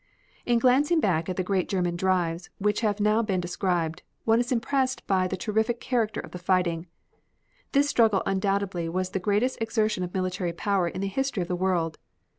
In glancing back at the great German drives which have now been described, one is impressed by the terrific character of the fighting. This struggle undoubtedly was the greatest exertion of military power in the history of the world.